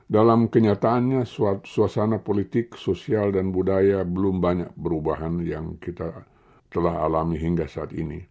dalam kenyataannya suasana politik sosial dan budaya belum banyak perubahan yang kita telah alami hingga saat ini